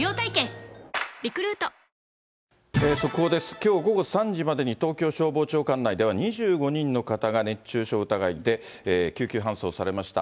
きょう午後３時までに東京消防庁管内では２５人の方が熱中症疑いで救急搬送されました。